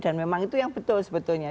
dan memang itu yang betul sebetulnya